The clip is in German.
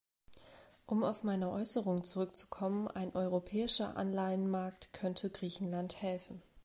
Um auf meine Äußerung zurückzukommen, ein europäischer Anleihenmarkt könnte Griechenland helfen.